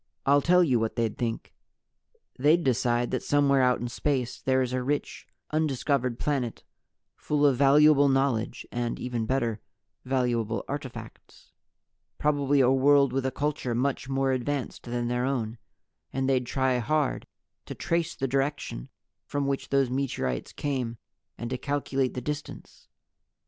"I'll tell you what they'd Think. They'd decide that somewhere out in space there is a rich, undiscovered planet full of valuable knowledge and, even better, valuable artifacts. Probably a world with a culture much more advanced than their own. And they'd try hard to trace the direction from which those meteorites came, and to calculate the distance.